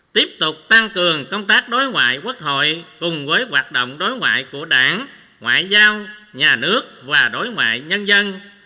tiếp tục tăng cường công tác đối ngoại quốc hội cùng với hoạt động đối ngoại của đảng ngoại giao nhà nước và đối ngoại nhân dân